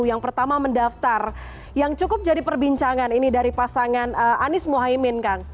yang pertama mendaftar yang cukup jadi perbincangan ini dari pasangan anies mohaimin kang